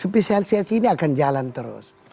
spesialisasi ini akan jalan terus